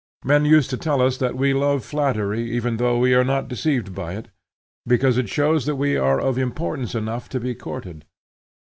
Men use to tell us that we love flattery even though we are not deceived by it, because it shows that we are of importance enough to be courted.